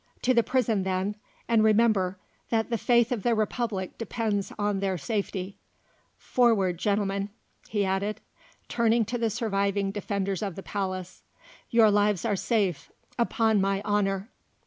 "To the Prison then, and remember that the faith of the Republic depends on their safety. Forward, Gentlemen," he added, turning to the surviving defenders of the palace; "your lives are safe, upon my honour."